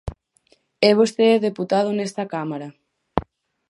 É vostede deputado nesta Cámara.